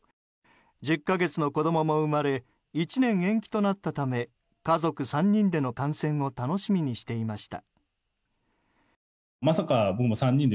１０か月の子供も生まれ１年延期となったため家族３人での観戦を楽しみにしていました。